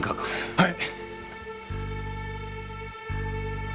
はい！